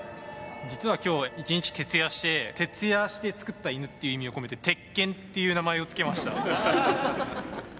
実は今日一日徹夜して「徹夜して作った犬」っていう意味を込めて「徹犬」っていう名前を付けました。